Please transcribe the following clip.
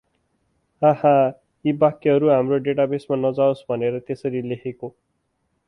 हाहा! यी वाक्यहरु हाम्रो डाटाबेशमा नजाअोस भनेर तेसरी लेखेको ।